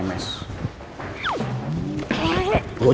ini pak customer kita kembali